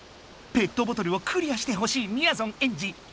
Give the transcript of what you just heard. ペットボトルをクリアしてほしいみやぞんエンジ。